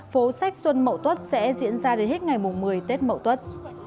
phố sách xuân mậu tuất sẽ diễn ra đến hết ngày một mươi tết mậu tuất